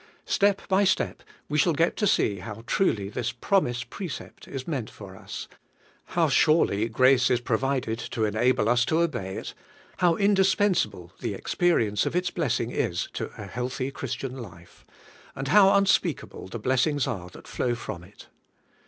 Step by step we shall get to see how truly this prom ise precept is meant for us, how surely grace is pro vided to enable us to obey it, how indispensable the PREFACE, 7 experience of its blessing is to a healthy Christian life, and how unspeakable the blessings are that flow from it.